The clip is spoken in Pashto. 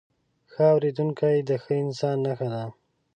ښه اورېدونکی، د ښه انسان نښه ده.